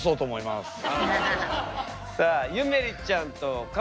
さあゆめりちゃんとかおちゃん。